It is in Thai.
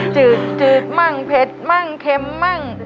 จืดมากเผ็ดมากเค็มมาก